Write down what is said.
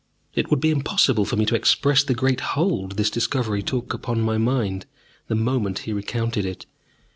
It would be impossible for me to express the great hold his discovery took upon my mind the moment he recounted it.